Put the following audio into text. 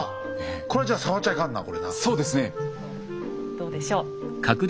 どうでしょう。